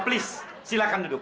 please silakan duduk